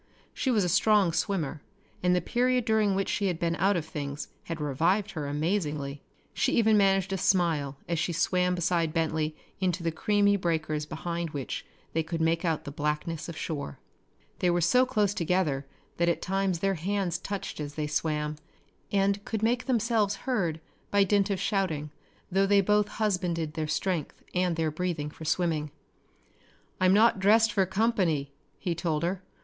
She was a strong swimmer and the period during which she had been out of things had revived her amazingly. She even managed a smile as she swam beside Bentley into the creamy breakers behind which they could make out the blackness of shore. They were so close together that at times their hands touched as they swam, and could make themselves heard by dint of shouting, though they both husbanded their strength and their breathing for swimming. "I'm not dressed for company," he told her.